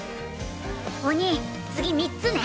お兄次３つね。